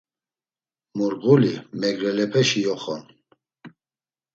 Murğuli, Mergelepeşi yoxon.